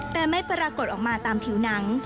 แต่ไม่ปรากฏออกมาตามผิวหนัง